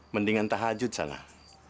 mendingan tak hajut sangat